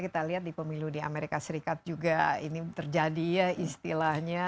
kita lihat di pemilu di amerika serikat juga ini terjadi ya istilahnya